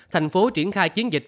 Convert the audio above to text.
thành phố triển khai chiến dịch